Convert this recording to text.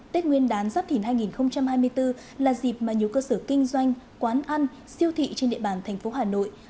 tết nguyên đán giáp thìn hai nghìn hai mươi bốn là dịp mà nhiều cơ sở kinh doanh quán ăn siêu thị trên địa bàn thành phố hà nội